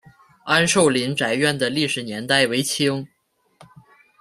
安寿林宅院的历史年代为清。